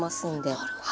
なるほど。